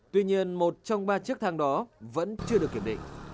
tuy nhiên một trong ba chiếc thang đó vẫn chưa được kiểm định